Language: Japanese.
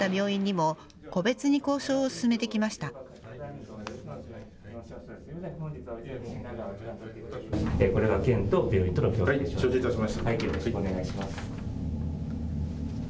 よろしくお願いします。